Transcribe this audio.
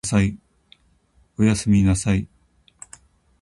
お休みなさい